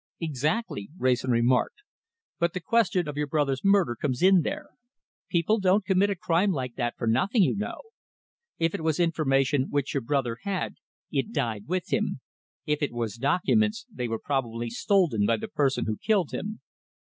"Exactly," Wrayson remarked, "but the question of your brother's murder comes in there. People don't commit a crime like that for nothing, you know. If it was information which your brother had, it died with him. If it was documents, they were probably stolen by the person who killed him."